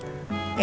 ya udah sih